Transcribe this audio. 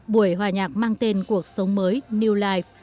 buổi hòa nhạc mang tên cuộc sống mới new life